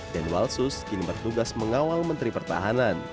denwalsus kini bertugas mengawal menteri pertahanan